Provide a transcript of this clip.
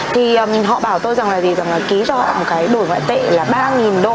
thì họ bảo tôi rằng là gì rằng là ký cho họ một cái đổi ngoại tệ là ba độ